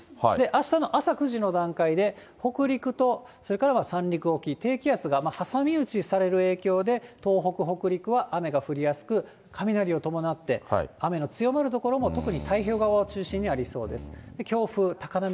あしたの朝９時の段階で、北陸とそれから三陸沖、低気圧が挟み撃ちされる影響で、東北、北陸は雨が降りやすく、雷を伴って、雨の強まる所も、特に太平洋側を中心にありそうです。